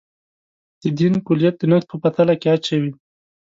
د دین کُلیت د نقد په تله کې اچوي.